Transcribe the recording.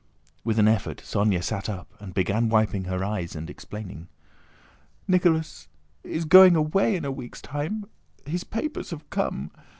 With an effort Sónya sat up and began wiping her eyes and explaining. "Nicholas is going away in a week's time, his... papers... have come...